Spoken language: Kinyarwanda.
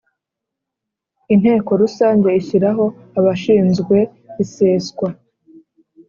Inteko Rusange ishyiraho abashinzwe iseswa